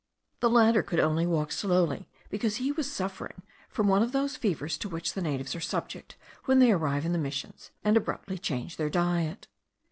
The latter could only walk slowly, because he was suffering from one of those fevers to which the natives are subject, when they arrive in the missions, and abruptly change their diet.